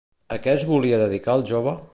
A què es volia dedicar el jove?